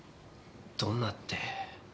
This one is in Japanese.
どんなって。